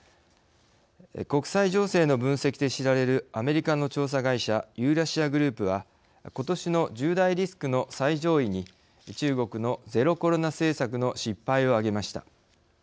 国際情勢の分析で知られるアメリカの調査会社ユーラシア・グループはことしの１０大リスクの最上位に中国のゼロコロナ政策の失敗を挙げました。